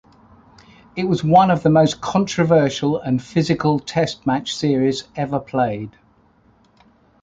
It was one of the most controversial and physical Test match series ever played.